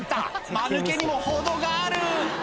マヌケにも程がある！